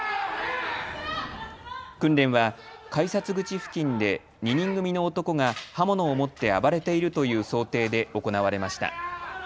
訓練は改札口付近で２人組の男が刃物を持って暴れているという想定で行われました。